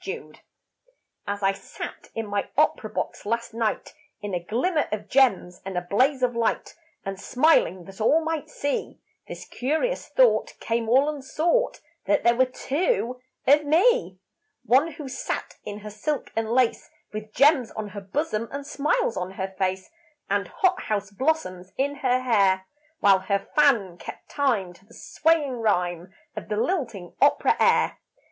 TWO As I sat in my opera box last night In a glimmer of gems and a blaze of light, And smiling that all might see, This curious thought came all unsought That there were two of me. One who sat in her silk and lace, With gems on her bosom and smiles on her face, And hot house blossoms in her hair, While her fan kept time to the swaying rhyme Of the lilting opera air.